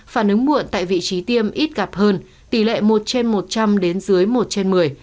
phản ứng muộn tại vị trí tiêm ít gặp hơn tỷ lệ một trên một trăm linh đến dưới một trên một mươi